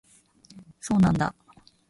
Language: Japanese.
そうなんだ